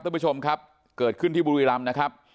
ท่านผู้ชมครับเกิดขึ้นที่บุรีรำนะครับ